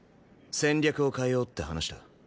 戦略を変えようって話だ。